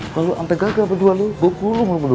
kalo antegaga berdua lu gua kulung lu berdua